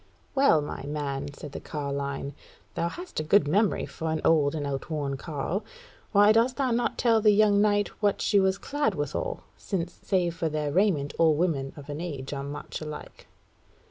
"Well, my man," said the carline, "thou hast a good memory for an old and outworn carle. Why dost thou not tell the young knight what she was clad withal; since save for their raiment all women of an age are much alike?"